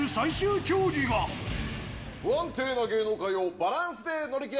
不安定な芸能界をバランスで乗り切れ。